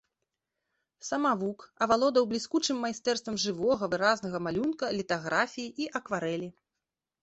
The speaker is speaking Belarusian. Самавук, авалодаў бліскучым майстэрствам жывога, выразнага малюнка, літаграфіі і акварэлі.